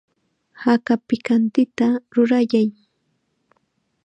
Haka pikantita rurayay.